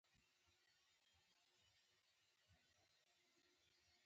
تعلیم نجونو ته د خوبونو رښتیا کول ور زده کوي.